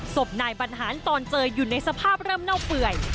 ศพนายบรรหารตอนเจออยู่ในสภาพเริ่มเน่าเปื่อย